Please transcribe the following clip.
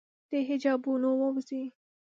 د حجابونو ووزي